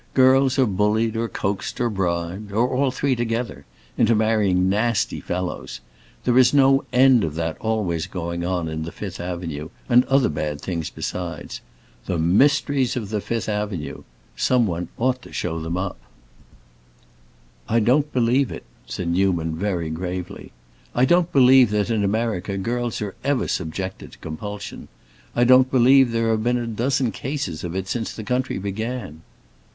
"Girls are bullied or coaxed or bribed, or all three together, into marrying nasty fellows. There is no end of that always going on in the Fifth Avenue, and other bad things besides. The Mysteries of the Fifth Avenue! Someone ought to show them up." "I don't believe it!" said Newman, very gravely. "I don't believe that, in America, girls are ever subjected to compulsion. I don't believe there have been a dozen cases of it since the country began."